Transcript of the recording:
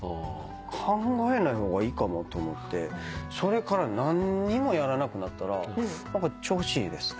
考えない方がいいかもと思ってそれから何にもやらなくなったら何か調子いいですね。